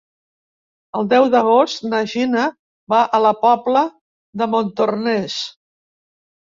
El deu d'agost na Gina va a la Pobla de Montornès.